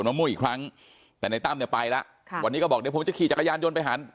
น้องจ้อยนั่งก้มหน้าไม่มีใครรู้ข่าวว่าน้องจ้อยเสียชีวิตไปแล้ว